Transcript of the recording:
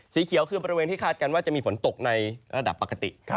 สีเขียวคือบริเวณที่คาดการณ์ว่าจะมีฝนตกในระดับปกติ